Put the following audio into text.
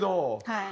はい。